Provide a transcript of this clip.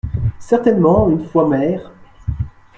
Certainement, une fois maire…